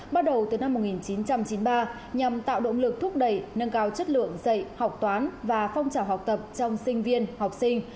bắt đầu từ năm một nghìn chín trăm chín mươi ba nhằm tạo động lực thúc đẩy nâng cao chất lượng dạy học toán và phong trào học tập trong sinh viên học sinh